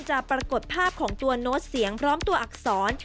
ปรากฏภาพของตัวโน้ตเสียงพร้อมตัวอักษร